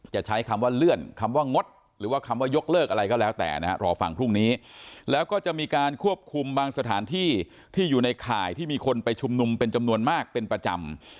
ใช้คำว่าเลื่อนคำว่างดหรือว่าคำว่ายกเลิกอะไรก็แล้วแต่นะฮะรอฟังพรุ่งนี้แล้วก็จะมีการควบคุมบางสถานที่ที่อยู่ในข่ายที่มีคนไปชุมนุมเป็นจำนวนมากเป็นประจำ